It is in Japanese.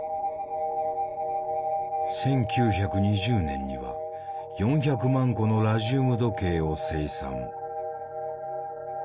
１９２０年には４００万個のラジウム時計を生産。